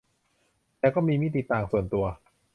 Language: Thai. แต่ก็มีมิติต่าง ส่วนตัว